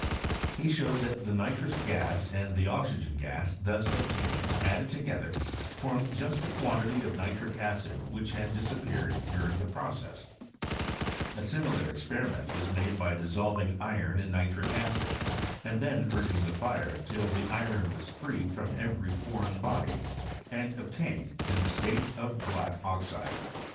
He showed It the nitrous gas and the oxygen gas thus ob ned, added together, formed just the quantity of xic acid which had disappeared during the pro^ ■• A similar experiment was made by dissolving n in nitric acid, and then urging the fire till the n was freed from every foreign body, and ob ned in the state of black oxide.